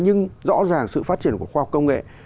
nhưng rõ ràng sự phát triển của khoa học công nghệ